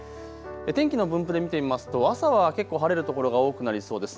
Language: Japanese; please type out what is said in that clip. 天気の分布で見てみますと朝は結構晴れる所が多くなりそうです。